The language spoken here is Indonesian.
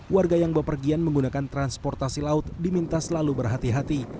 warga yang berpergian menggunakan transportasi laut diminta selalu berhati hati